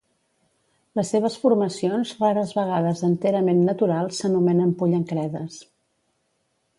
Les seves formacions, rares vegades enterament naturals, s'anomenen pollancredes.